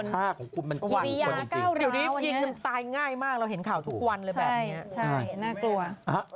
แต่ของคุณมันขู่คนอยู่ดีมันตายง่ายมากเราเห็นข่าวทุกวันเลยแบบนี้ใช่น่ากลัว